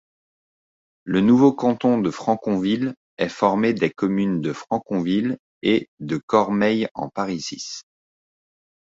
Le nouveau canton de Franconville est formé des communes de Franconville et de Cormeilles-en-Parisis.